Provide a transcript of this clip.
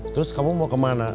terus kamu mau kemana